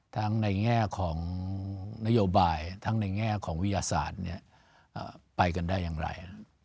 ทั้งในแง่ของนโยบายทั้งในแง่ของวิทยาศาสตร์ไปกันได้อย่างไร